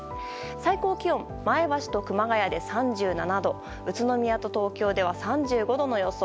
最高気温、前橋と熊谷で３７度宇都宮と東京では３５度の予想。